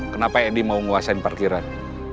kenapa edy mau menguasai parkiran